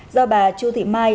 do bà chu thị mai